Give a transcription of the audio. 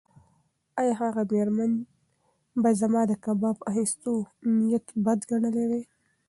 ایا هغه مېرمن به زما د کباب اخیستو نیت بد ګڼلی وای؟